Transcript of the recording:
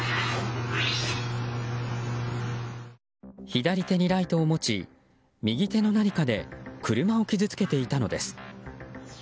左手にライトを持ち右手の何かで車を傷つけていたのです。